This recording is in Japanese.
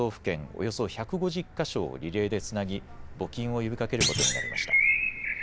およそ１５０か所をリレーでつなぎ募金を呼びかけることになりました。